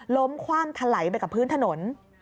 ล้มความทะไหลไปกับพื้นถนน